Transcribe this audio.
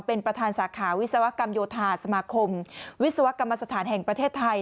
เป็นประธานสาขาวิศวกรรมโยธาสมาคมวิศวกรรมสถานแห่งประเทศไทย